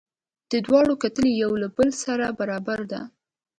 د دواړو کتلې یو له بل سره برابره ده.